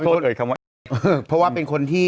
เอ่ยคำว่าเอ่ยเพราะว่าเป็นคนที่